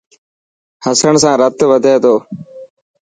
هسڻ سان رت وڌي تو.